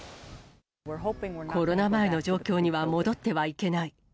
コロナ前の状況には戻ってはいけない。